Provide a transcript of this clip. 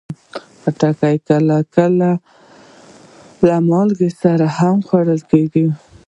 خټکی کله کله له مالګې سره هم خوړل کېږي.